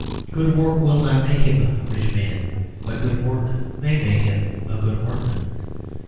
Good work will not make him a rich man, but good work may make him a good workman.